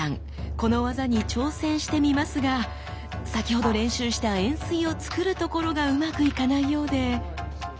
この技に挑戦してみますが先ほど練習した円錐をつくるところがうまくいかないようで。